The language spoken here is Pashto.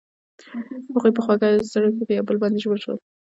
هغوی په خوږ زړه کې پر بل باندې ژمن شول.